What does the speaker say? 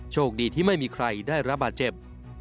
โชคดีที่ไม่มีใครได้รับบาดเจ็บ